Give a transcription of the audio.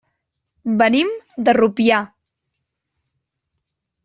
Venim de Rupià.